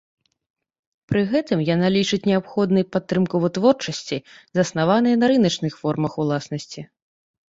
Пры гэтым яна лічыць неабходнай падтрымку вытворчасці, заснаванай на рыначных формах уласнасці.